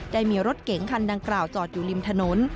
ได้มีรถเก๋งคันดังกล่าวจอดอยู่ริมถนน